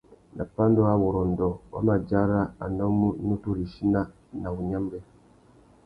Nà pandúrâwurrôndô, wa mà dzara a nnômú nutu râ ichina na wunyámbê.